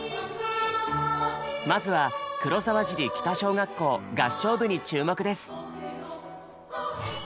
まずは黒沢尻北小学校合唱部に注目です。